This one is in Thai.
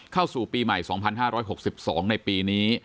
เข้าสู่ปีใหม่๒๕๖๒ในปีนี้